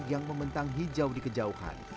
yang membentang hijau di kejauhan